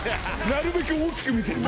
なるべく大きく見せる。